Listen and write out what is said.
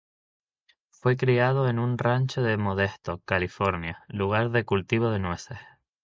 Fue criado en un rancho de Modesto, California, lugar de cultivo de nueces.